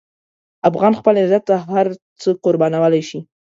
افغان خپل عزت ته هر څه قربانولی شي.